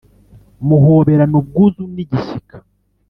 Muhoberana ubwuzu n'igishyika.